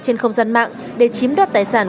trên không gian mạng để chiếm đoạt tài sản